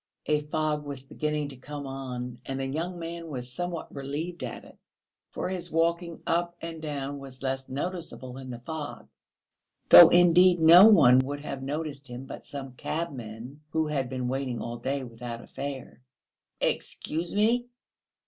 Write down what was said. A fog was beginning to come on, and the young man was somewhat relieved at it, for his walking up and down was less noticeable in the fog, though indeed no one could have noticed him but some cabman who had been waiting all day without a fare. "Excuse me!"